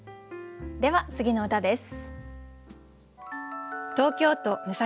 では次の歌です。